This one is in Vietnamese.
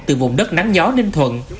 từ vùng đất nắng nhó ninh thuận